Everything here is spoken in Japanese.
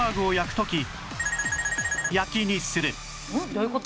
「どういう事？」